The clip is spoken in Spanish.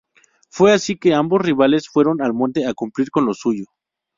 Fue así que ambos rivales fueron al monte a cumplir con lo suyo.